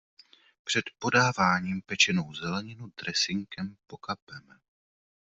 Před podáváním pečenou zeleninu dresinkem pokapeme.